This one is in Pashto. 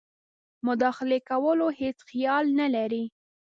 مداخلې کولو هیڅ خیال نه لري.